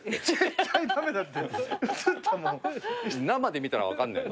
生で見たら分かんない。